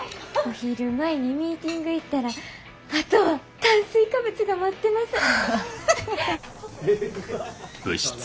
お昼前にミーティング行ったらあとは炭水化物が待ってます！